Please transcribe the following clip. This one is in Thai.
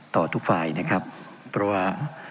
ต่อทุกฝ่ายนะครับเพราะว่า